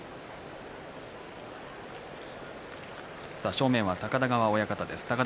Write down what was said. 正面は高田川親方です。